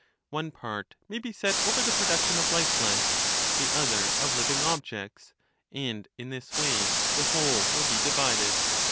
One part may be set over the production of lifeless, the other of living objects; and in this way the whole will be divided.